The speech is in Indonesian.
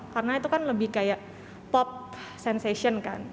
karena itu kan lebih kayak pop sensation kan